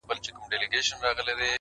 o هيواد مي هم په ياد دى؛